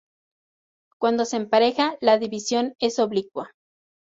Cuando se empareja, la división es oblicua.